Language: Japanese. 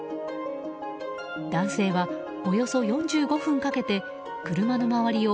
男性は、およそ４５分かけて車の周りを